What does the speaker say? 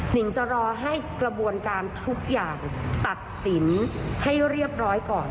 นิงจะรอให้กระบวนการทุกอย่างตัดสินให้เรียบร้อยก่อน